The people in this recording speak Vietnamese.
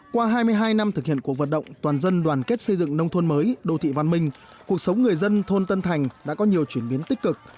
qua hai mươi hai năm thực hiện cuộc vận động toàn dân đoàn kết xây dựng nông thôn mới đô thị văn minh cuộc sống người dân thôn tân thành đã có nhiều chuyển biến tích cực